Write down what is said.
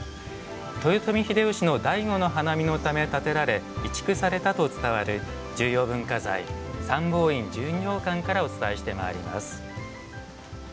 豊臣秀吉の「醍醐の花見」のため建てられ移築されたと伝わる重要文化財三宝院純浄観からお伝えしてまいります。